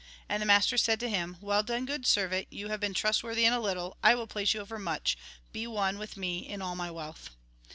And the master said to him :' Well done, good servant ; you have been trustworthy in a little, I will place you over much ; be one with me in all my wealth.'